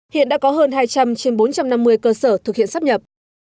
hiện đã có hơn hai trăm linh trên bốn trăm năm mươi cơ sở thực hiện sắp nhập